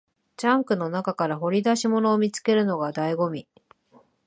ジャンクの中から掘り出し物を見つけるのが醍醐味